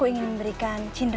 ada yang terkacau